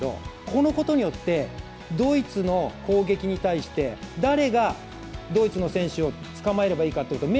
このことによって、ドイツの攻撃に対して誰がドイツの選手を捕まえればいいかというのを